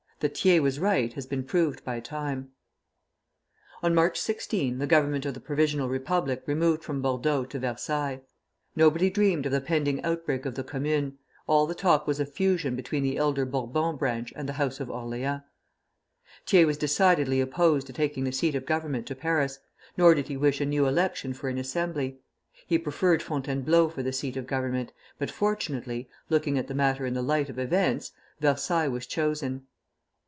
That Thiers was right has been proved by time. On March 16 the Government of the Provisional Republic removed from Bordeaux to Versailles. Nobody dreamed of the pending outbreak of the Commune; all the talk was of fusion between the elder Bourbon branch and the House of Orleans. Thiers was decidedly opposed to taking the seat of government to Paris, nor did he wish a new election for an Assembly; he preferred Fontainebleau for the seat of government, but fortunately (looking at the matter in the light of events) Versailles was chosen.